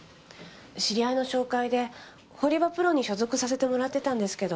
知り合いの紹介で堀場プロに所属させてもらってたんですけど。